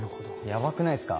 ヤバくないっすか？